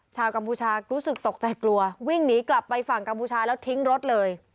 กัมพูชารู้สึกตกใจกลัววิ่งหนีกลับไปฝั่งกัมพูชาแล้วทิ้งรถเลย